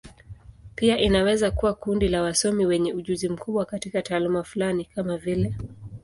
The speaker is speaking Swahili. Pia inaweza kuwa kundi la wasomi wenye ujuzi mkubwa katika taaluma fulani, kama vile.